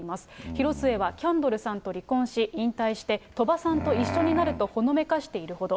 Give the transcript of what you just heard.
広末はキャンドルさんと離婚し、引退して、鳥羽さんと一緒になるとほのめかしているほど。